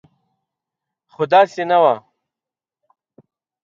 خو داسې نه وه.